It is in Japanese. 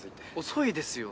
遅いですよ